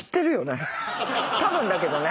たぶんだけどね。